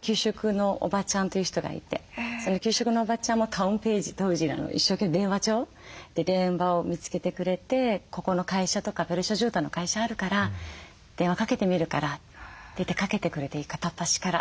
給食のおばちゃんという人がいてその給食のおばちゃんもタウンページ当時一生懸命電話帳で電話を見つけてくれてここの会社とかペルシャじゅうたんの会社あるから電話かけてみるからって言ってかけてくれて片っ端から。